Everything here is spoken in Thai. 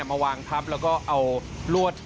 มาวางทับแล้วก็เอาลวด